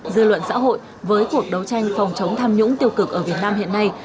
dư luận xã hội với cuộc đấu tranh phòng chống tham nhũng tiêu cực ở việt nam hiện nay